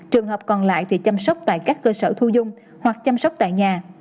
trường hợp còn lại thì chăm sóc tại các cơ sở thu dung hoặc chăm sóc tại nhà